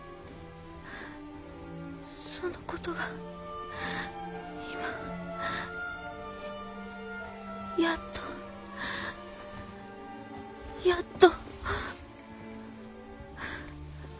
その事が今やっとやっと。